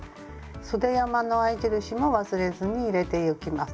そで山の合印も忘れずに入れてゆきます。